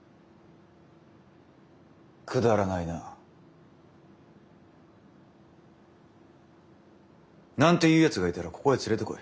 くだらないな。なんて言うやつがいたらここへ連れてこい。